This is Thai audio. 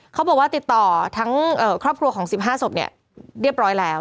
เขาบอกว่าติดต่อทั้งครอบครัวของ๑๕ศพเรียบร้อยแล้ว